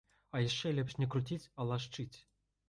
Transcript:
А яшчэ лепш не круціць, а лашчыць!